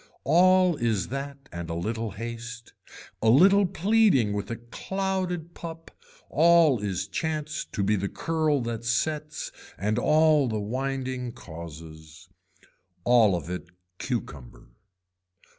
All is that and a little haste, a little pleading with a clouded pup all is chance to be the curl that sets and all the winding causes. All of it cucumber.